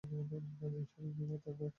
নাজিম সিঁড়ির মাথায় দাঁড়িয়ে আছে।